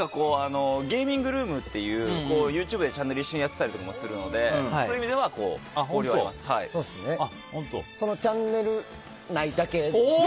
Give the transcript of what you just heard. ゲーミングルームっていうＹｏｕＴｕｂｅでチャンネルを一緒にやってたりするのでそのチャンネル内だけ。